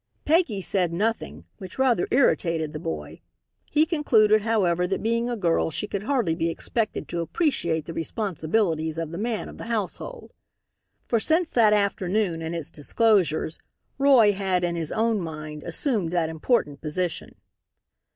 Peggy said nothing, which rather irritated the boy. He concluded, however, that being a girl, she could hardly be expected to appreciate the responsibilities of the man of the household. For since that afternoon and its disclosures, Roy had, in his own mind, assumed that important position.